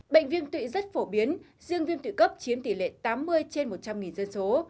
bệnh viêm tụy rất phổ biến riêng viêm tự cấp chiếm tỷ lệ tám mươi trên một trăm linh dân số